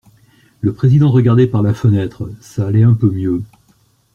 Le président regardait par la fenêtre, ça allait un peu mieux.